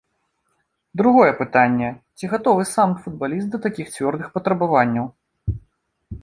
Другое пытанне, ці гатовы сам футбаліст да такіх цвёрдых патрабаванняў.